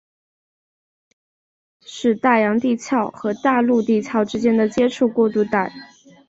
海沟是大洋地壳与大陆地壳之间的接触过渡带。